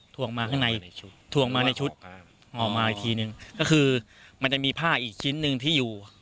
วงมาข้างในชุดทวงมาในชุดออกมาอีกทีนึงก็คือมันจะมีผ้าอีกชิ้นหนึ่งที่อยู่